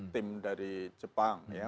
tim dari jepang ya